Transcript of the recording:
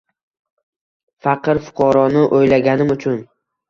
Faqir-fuqaroni o’ylaganim-chun